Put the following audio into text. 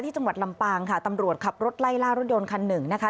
จังหวัดลำปางค่ะตำรวจขับรถไล่ล่ารถยนต์คันหนึ่งนะคะ